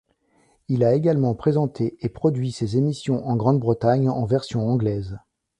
Il a également présenté et produit ces émissions en Grande-Bretagne en version anglaise.